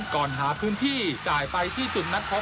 ก่อนหาพื้นที่จ่ายไปที่จุดนัดพบ